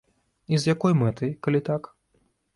І з якой мэтай, калі так?